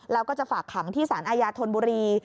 แล้วก็จะฝากขังที่สารอาญาธนบุรี